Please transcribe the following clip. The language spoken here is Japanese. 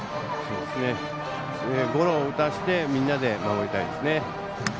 ゴロは打たせてみんなで守りたいですね。